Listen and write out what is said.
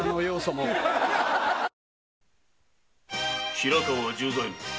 平川十左衛門